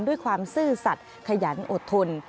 ด้วยความซื่อสัตย์ขยันอดทน